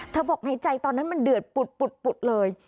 บอกในใจตอนนั้นมันเดือดปุดเลย